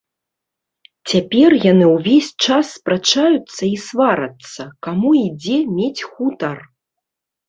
Цяпер яны ўвесь час спрачаюцца і сварацца, каму і дзе мець хутар.